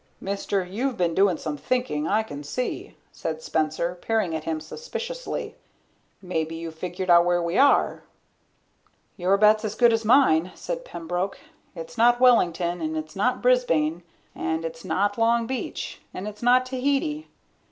"Mister, you've been doing some thinkin', I can see," said Spencer, peering at him suspiciously. "Maybe you've figured out where we are." "Your bet's as good as mine," said Pembroke. "It's not Wellington, and it's not Brisbane, and it's not Long Beach, and it's not Tahiti.